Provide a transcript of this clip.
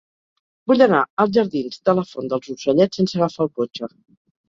Vull anar als jardins de la Font dels Ocellets sense agafar el cotxe.